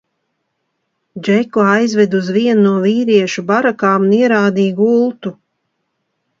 Džeku aizveda uz vienu no vīriešu barakām un ierādīja gultu.